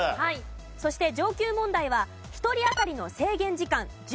そして上級問題は１人あたりの制限時間１０秒で答えて頂きます。